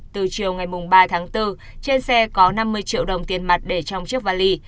từ chiều ngày ba tháng bốn trên xe có năm mươi triệu đồng tiền mặt để trong chiếc vali